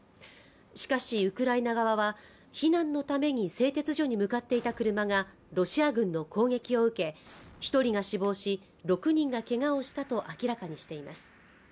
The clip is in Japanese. しかしウクライナ側は避難のために製鉄所に向かっていた車がロシア軍の攻撃を受け一人が死亡し６人がけがをしたと明らかにしています